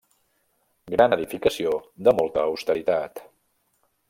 Gran edificació de molta austeritat.